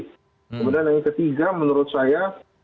kemudian yang ketiga menurut saya